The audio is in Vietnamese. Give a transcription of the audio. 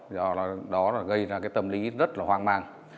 do đó gây ra tâm lý rất hoang mang